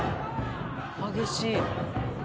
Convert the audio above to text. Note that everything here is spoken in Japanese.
激しい。